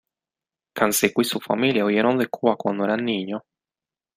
Canseco y su familia huyeron de Cuba cuando eran niños.